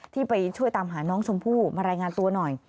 ที่ไปช่วยตามหาน้องชมพู่มารายงานตัวหน่อย